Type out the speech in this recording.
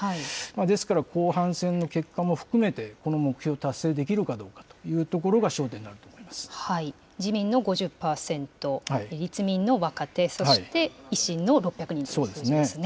ですから、後半戦の結果も含めて、この目標、達成できるかというと自民の５０％、立民の若手、そして維新の６００人ということですね。